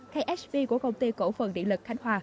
ksb của công ty cổ phần điện lực khánh hòa